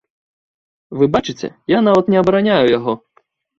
Вы бачыце, я нават не абараняю яго.